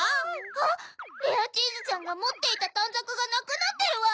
あっレアチーズちゃんがもっていたたんざくがなくなってるわ！